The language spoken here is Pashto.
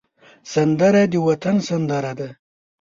سندره د وطن سندره ده